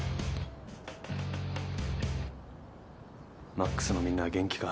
魔苦須のみんなは元気か？